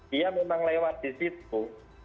dia memang lewat di situ